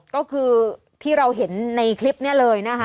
ก็คือที่เราเห็นในกลุ่มนี้นะครับมันเป็นทางไฟเขียวของเขา